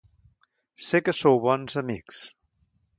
Sé que sou bons amics.